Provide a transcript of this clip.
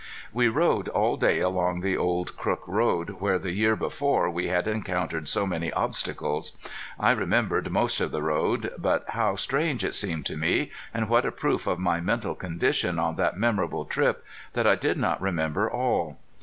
We rode all day along the old Crook road where the year before we had encountered so many obstacles. I remembered most of the road, but how strange it seemed to me, and what a proof of my mental condition on that memorable trip, that I did not remember all.